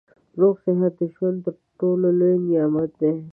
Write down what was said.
روغ صحت د ژوند تر ټولو لوی نعمت دی